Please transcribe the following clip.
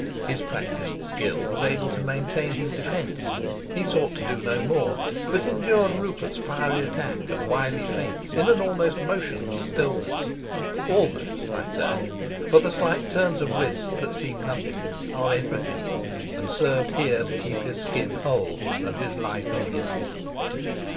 His practised skill was able to maintain his defence. He sought to do no more, but endured Rupert's fiery attack and wily feints in an almost motionless stillness. Almost, I say; for the slight turns of wrist that seem nothing are everything, and served here to keep his skin whole and his life in him.